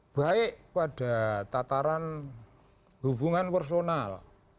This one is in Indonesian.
baik pada tataran hubungan personal